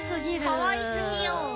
かわいすぎよ。